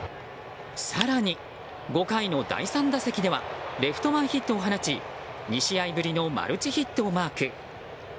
更に、５回の第３打席ではレフト前ヒットを放ち２試合ぶりのマルチヒットをマーク。